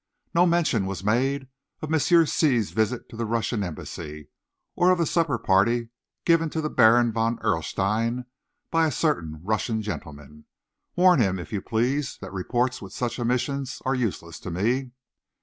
No mention was made of Monsieur C's visit to the Russian Embassy, or of the supper party given to the Baron von Erlstein by a certain Russian gentleman. Warn him, if you please, that reports with such omissions are useless to me."